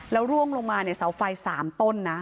แล้วร่วงลงมาเนี่ยเสาไฟ๓ต้นนะ